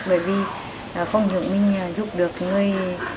bởi vì công dụng mình giúp được người